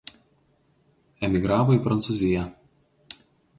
Emigravo į Prancūziją.